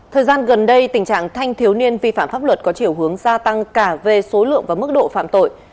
thời gian gần đây tình trạng thanh thiếu niên vi phạm pháp luật có chiều hướng gia tăng cả về số lượng và mức độ phạm tội